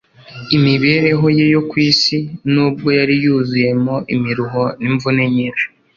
Imibereho ye yo ku isi, nubwo yari yuzuyemo imiruho n'imvune nyinshi,